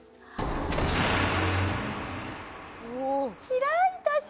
開いたし！